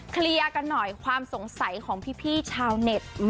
เคลียร์กันหน่อยความสงสัยของพี่ชาวเน็ต